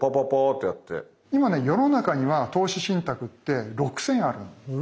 今ね世の中には投資信託って６，０００あるんですね。